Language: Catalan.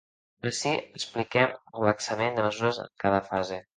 Ací expliquem el relaxament de mesures en cada fase.